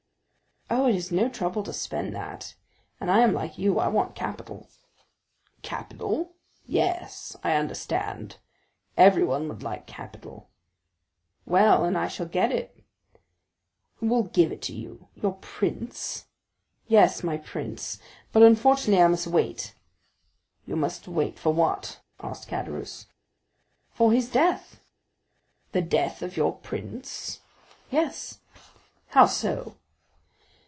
"Oh, it is no trouble to spend that; and I am like you, I want capital." "Capital?—yes—I understand—everyone would like capital." "Well, and I shall get it." "Who will give it to you—your prince?" "Yes, my prince. But unfortunately I must wait." 40138m "You must wait for what?" asked Caderousse. "For his death." "The death of your prince?" "Yes." "How so?"